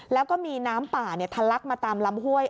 แล้วก็มีน้ำป่าทะลักมาตามลำห้วย